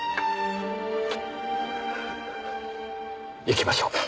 行きましょうか。